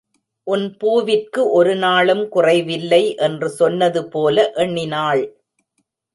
உன் பூவிற்கு ஒருநாளும் குறைவில்லை! என்று சொன்னது போல எண்ணினாள்.